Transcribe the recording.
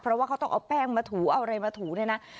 เพราะว่าเขาต้องเอาแป้งมาถูเอาอะไรมาถูเนี่ยนะ